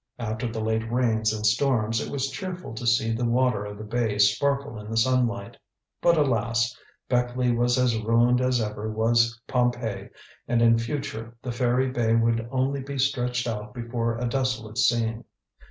After the late rains and storms, it was cheerful to see the water of the bay sparkle in the sunlight. But, alas! Beckleigh was as ruined as ever was Pompeii, and in future the fairy bay would only be stretched out before a desolate scene.